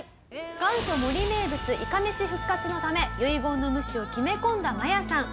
元祖森名物いかめし復活のため遺言の無視を決め込んだマヤさん。